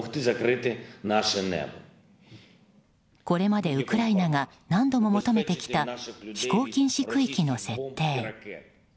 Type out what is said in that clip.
これまでウクライナが何度も求めてきた飛行禁止区域の設定。